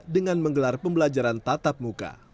dengan menggelar pembelajaran tatap muka